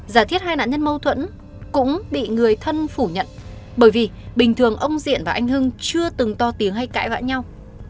giả thiết hai nạn nhân mâu thuẫn cũng bị người thân phủ nhận bởi vì bình thường ông diện và anh hưng chưa từng to tiếng hay cãi vã nhau